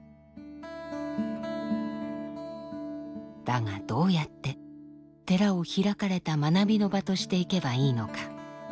だがどうやって寺を開かれた学びの場としていけばいいのか？